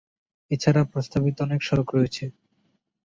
এছাড়া প্রস্তাবিত অনেক সড়ক রয়েছে।